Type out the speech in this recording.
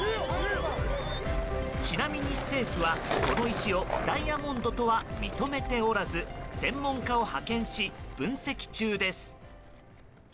ちなみに政府は、この石をダイヤモンドとは認めておらず専門家を派遣し分析中です。